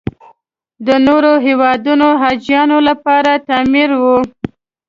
د نورو هېوادونو حاجیانو لپاره تعمیر و.